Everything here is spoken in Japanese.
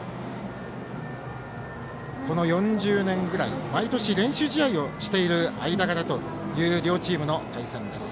この４０年ぐらい毎年、練習試合をしている間柄という両チームの対戦です。